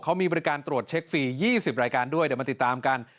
เขามีบริการตรวจเช็คฟรี๒๐รายการด้วยเดี๋ยวมาติดตามกัน